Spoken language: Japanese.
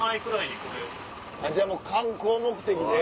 じゃあもう観光目的で。